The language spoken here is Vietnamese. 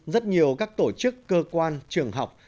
rất nhiều các tổ chức cơ quan trường học